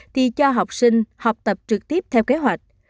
thì cho học sinh học tập trực tiếp theo kế hoạch